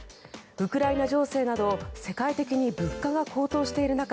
ウクライナ情勢など世界的に物価が高騰している中